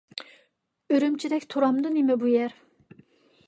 ئۈرۈمچىدەك تۇرامدۇ نېمە بۇ يەر؟